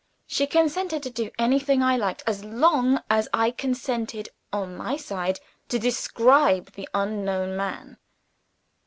She consented to do anything I liked, as long as I consented, on my side, to describe the unknown man.